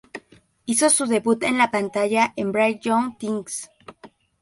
Hizo su debut en la pantalla en "Bright Young Things".